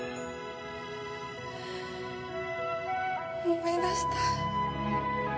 思い出した。